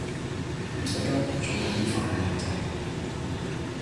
唔使急，最緊要快靚正